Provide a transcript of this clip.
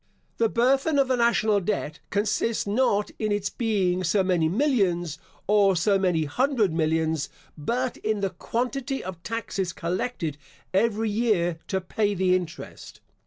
The burthen of the national debt consists not in its being so many millions, or so many hundred millions, but in the quantity of taxes collected every year to pay the interest.